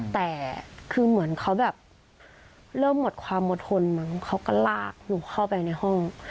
แต่คือเหมือนเขาแบบเริ่มหมดความอดทนมั้งเขาก็ลากหนูเข้าไปในห้อง